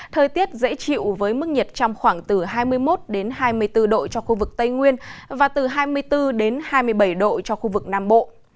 thời tiết dễ chịu với mức nhiệt trong khoảng từ hai mươi một hai mươi bốn độ cho khu vực tây nguyên và từ hai mươi bốn hai mươi bảy độ cho khu vực nam bộ